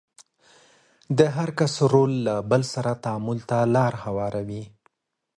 د هر کس رول له بل سره تعامل ته لار هواروي.